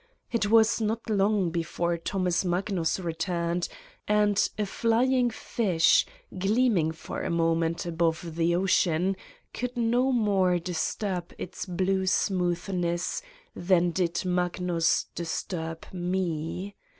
It was not long before Thomas Magnus returned, and a flying fish, gleaming for a moment above the ocean, could no more disturb its blue smoothness than did Magnus disturb me.